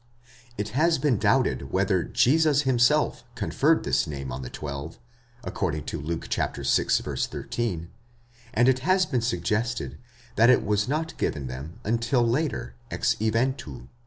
It has been doubted whether Jesus himself conferred this name on the twelve, according to Luke vi. 13, and it has been suggested that it was not given them until later, ex eventu.